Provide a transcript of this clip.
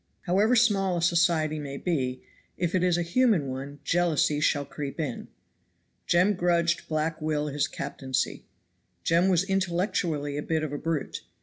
However small a society may be, if it is a human one jealousy shall creep in. Jem grudged Black Will his captaincy. Jem was intellectually a bit of a brute.